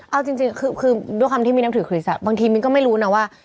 เอาจริงคือด้วยความที่มีนับถือคริสต์บางทีมิ้นก็ไม่รู้นะว่า